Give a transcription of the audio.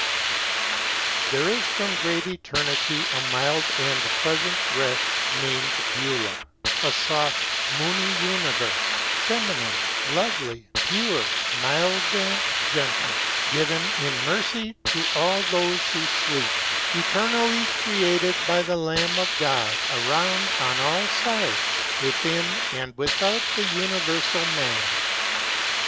There is from Great Eternity a mild and pleasant rest VALA : NIGHT I. 11 Named Beulah, a soft, moony universe, feminine, lovely, 205 Pure, mild and gentle, given in Mercy to all those who sleep, Eternally created by the Lamb of God around On all sides, within and without the Universal Man.